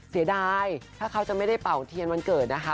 เสียดายถ้าเขาจะไม่ได้เป่าเทียนวันเกิดนะคะ